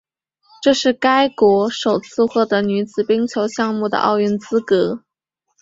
这是该国首次获得女子冰球项目的奥运资格。